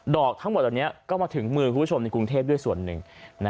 อกทั้งหมดเหล่านี้ก็มาถึงมือคุณผู้ชมในกรุงเทพด้วยส่วนหนึ่ง